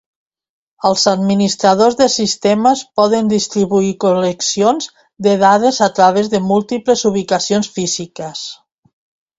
Els administradors de sistemes poden distribuir col·leccions de dades a través de múltiples ubicacions físiques.